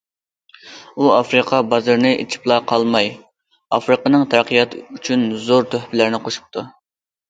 ئۇ ئافرىقا بازىرىنى ئېچىپلا قالماي، ئافرىقىنىڭ تەرەققىياتى ئۈچۈن زور تۆھپىلەرنى قوشۇپتۇ.